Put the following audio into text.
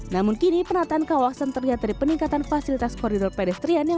namun kini penataan kawasan terlihat dari peningkatan fasilitas koridor pedestrian yang